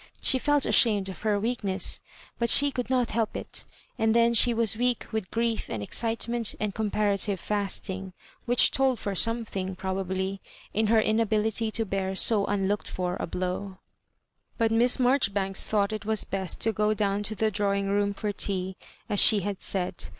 She felt ashamed of her weak ness, but tha could not help it ; and then she was weak with grief and excitement and compara tive &8ting, which tdd for something, probably, in her inability to bear so unlooked for a blow. But Miss Maijoribanks thought it was best to go down to the drawing room for tea, as she had said.